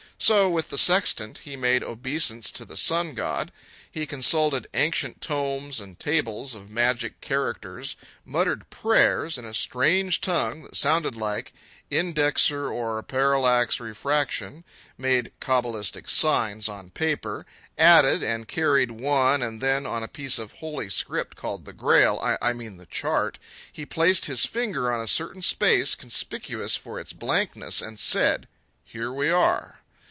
So, with the sextant he made obeisance to the sun god, he consulted ancient tomes and tables of magic characters, muttered prayers in a strange tongue that sounded like Indexerrorparallaxrefraction, made cabalistic signs on paper, added and carried one, and then, on a piece of holy script called the Grail—I mean the Chart—he placed his finger on a certain space conspicuous for its blankness and said, "Here we are."